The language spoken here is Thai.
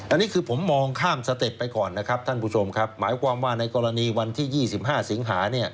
อันนี้คือผมมองข้ามสเต็ปไปก่อนนะครับท่านผู้ชมครับหมายความว่าในกรณีวันที่๒๕สิงหาเนี่ย